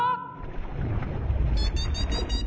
ピピピピピピ。